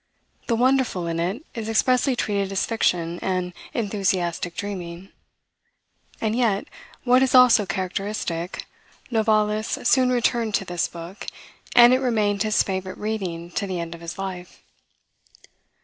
The wonderful in it is expressly treated as fiction and enthusiastic dreaming:" and yet, what is also characteristic, Novalis soon returned to this book, and it remained his favorite reading to the end of his life.